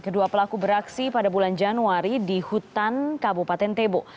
kedua pelaku beraksi pada bulan januari di hutan kabupaten tebo